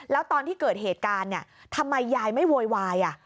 แล้วตอนที่เกิดเหตุการณ์เนี่ยทำไมยายไม่โวยวาย